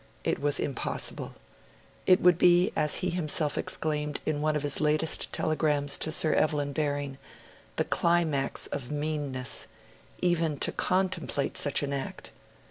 It was impossible. It would be, as he himself exclaimed in one of his latest telegrams to Sir Evelyn Baring, 'the climax of meanness', even to contemplate such an act.